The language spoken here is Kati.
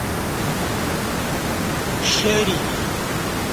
پݜہ ری